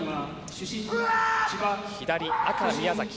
左赤が宮崎。